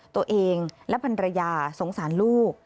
ตัวเองและพันรยาสงสารลูก